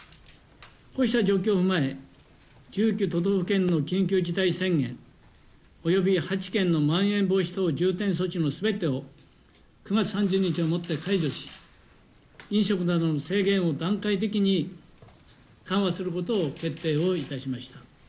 こうした状況を踏まえ、１９都道府県の緊急事態宣言、および８県のまん延防止等重点措置のすべてを、９月３０日をもって解除し、飲食などの制限を段階的に緩和することを決定をいたしました。